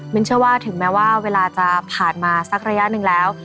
เชื่อว่าถึงแม้ว่าเวลาจะผ่านมาสักระยะหนึ่งแล้ว